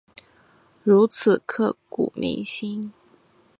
如此刻骨铭心